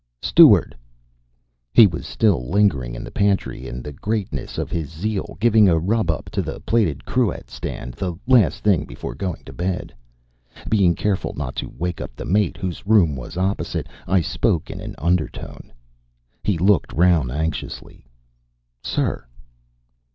"Steward!" He was still lingering in the pantry in the greatness of his zeal, giving a rub up to a plated cruet stand the last thing before going to bed. Being careful not to wake up the mate, whose room was opposite, I spoke in an undertone. He looked round anxiously. "Sir!"